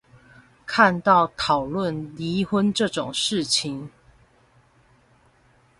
看到討論離婚這種事情